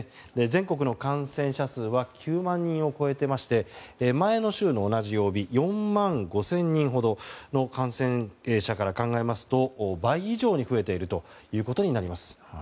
全国の感染者数は９万人を超えていまして前の週の同じ曜日４万５０００人ほどの感染者から考えますと倍以上に増えていることになります。